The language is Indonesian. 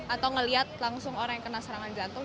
atau ngelihat langsung orang yang kena serangan jantung